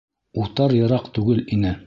Утар йыраҡ түгел ине.